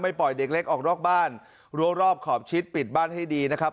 ปล่อยเด็กเล็กออกนอกบ้านรั้วรอบขอบชิดปิดบ้านให้ดีนะครับ